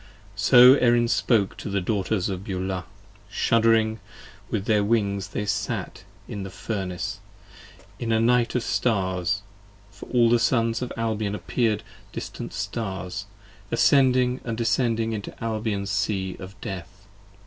So Erin spoke to the Daughters of Beulah. Shuddering With their wings they sat in the Furnace, in a night 20 Of stars, for all the Sons of Albion appear'd distant stars, Ascending and descending into Albion's sea of death.